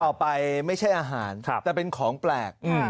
เอาไปไม่ใช่อาหารแต่เป็นของแปลก